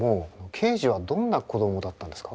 ケージはどんな子供だったんですか？